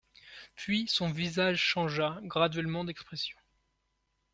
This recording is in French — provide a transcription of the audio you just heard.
Puis son visage changea graduellement d'expression.